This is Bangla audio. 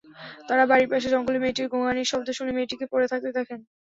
তাঁরা বাড়ির পাশে জঙ্গলে মেয়েটির গোঙানির শব্দ শুনে মেয়েটিকে পড়ে থাকতে দেখেন।